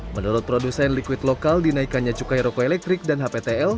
menurut produsen liquid lokal dinaikannya cukai rokok elektrik dan hptl